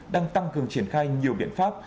đang tăng cường triển khai nhiều biện pháp